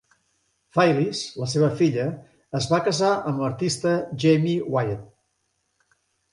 Phyllis, la seva filla, es va casar amb l'artista Jamie Wyeth.